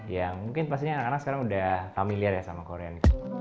ya mungkin pastinya anak anak sekarang udah familiar ya sama korean